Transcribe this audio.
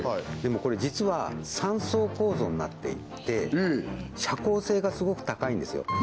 でもこれ実は３層構造になっていて遮光性がすごく高いんですよ